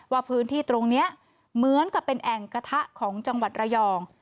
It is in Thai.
ว่าพื้นที่ตรงนี้เหมือนกับเป็นแอ่งกระทะของจังหวัดระยอง